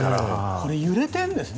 これ揺れてるんですね。